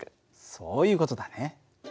そういう事だね。